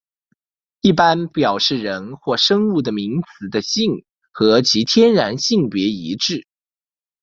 一般表示人或生物的名词的性和其天然性别一致。